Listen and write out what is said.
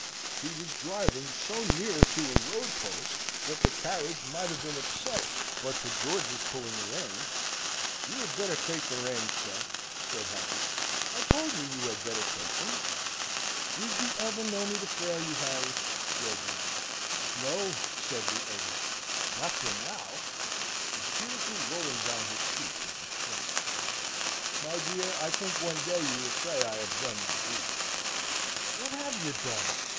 He was driving so near to a road post that the carriage might have been upset but for George's pulling the rein. "You had better take the reins, sir," said Harry. "I told you you had better take them." "Did you ever know me fail you, Harry?" George asked. "No," said the other, "not till now" the tears were rolling down his cheeks as he spoke. "My dear, I think one day you will say I have done my duty." "What have you done?